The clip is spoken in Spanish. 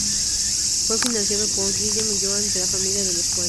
Fue financiado por Guillem Joan "de la familia de los Juanes".